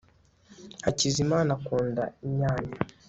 hakizimana akunda inyanya